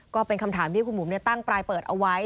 ก็เป็นคำถามที่คุณบุ๋มตั้งปลายเปิดเอาไว้